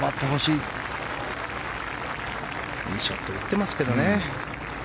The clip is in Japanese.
いいショット打ってますけどね。